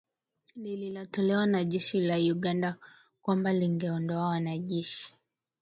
lililotolewa na jeshi la Uganda kwamba lingeondoa wanajeshi